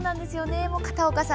片岡さん